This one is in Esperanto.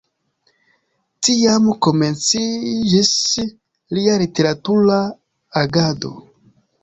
Tiam komenciĝis lia literatura agado.